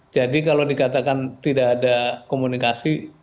jadi kalau dikatakan tidak ada komunikasi